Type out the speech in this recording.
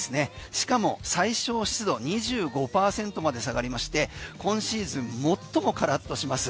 しかも、最小湿度２５％まで下がりまして今シーズン最もカラッとします。